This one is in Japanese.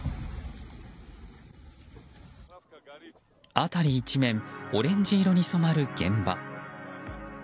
辺り一面オレンジ色に染まる現場。